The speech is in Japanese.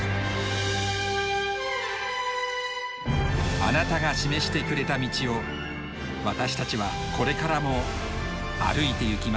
あなたが示してくれた道を私たちはこれからも歩いてゆきます。